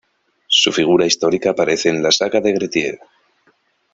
Su figura histórica aparece en la "saga de Grettir".